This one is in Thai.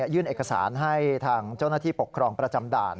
ยื่นเอกสารให้ทางเจ้าหน้าที่ปกครองประจำด่าน